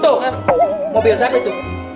tuh mobil siapa itu